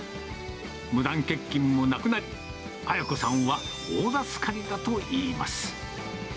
無断欠勤もなくなり、文子さんは大助かりだといいます。